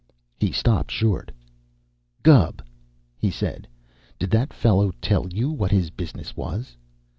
He stopped short. "Gubb," he said, "did that fellow tell you what his business was?"